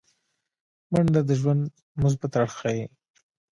منډه د ژوند مثبت اړخ ښيي